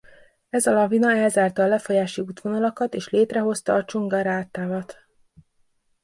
Ez a lavina elzárta a lefolyási útvonalakat és létrehozta a Chungará-tavat.